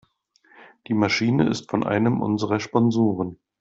Die Maschine ist von einem unserer Sponsoren.